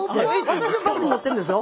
私はバスに乗ってんですよ。